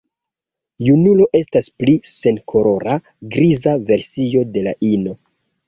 Junulo estas pli senkolora griza versio de la ino.